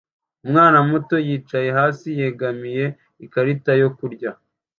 Umwana muto yicaye hasi yegamiye ikarita yo kurya